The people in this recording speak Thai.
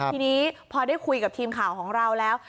ทีนี้พอได้คุยกับทีมข่าวของเราแล้ว